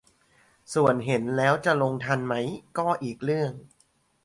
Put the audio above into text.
ส่วนเห็นแล้วจะลงทันไหมก็อีกเรื่อง